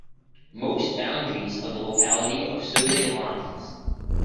Most boundaries of the locality are survey lines.